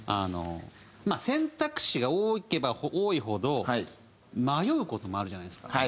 選択肢が多ければ多いほど迷う事もあるじゃないですか。